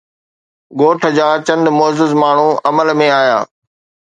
ڳوٺ جا چند معزز ماڻهو عمل ۾ آيا.